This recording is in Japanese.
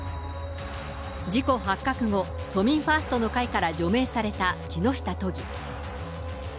事故発覚後、都民ファーストの会から除名された木下都議。